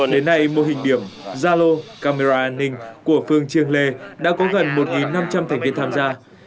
đến nay mô hình điểm gia lô camera an ninh của phường triềng lề đã có gần một năm trăm linh thành viên tham gia